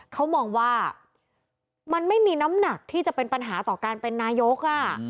เขามองว่ามันไม่มีน้ำหนักที่จะเป็นปัญหาต่อการเป็นนายก